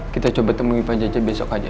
kita coba temui pak jace besok aja